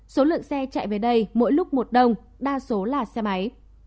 số lượng xe chạy về đây mỗi lúc một đồng đa số là xe máy